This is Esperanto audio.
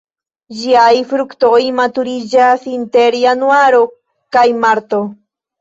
Ĝiaj fruktoj maturiĝas inter januaro kaj marto.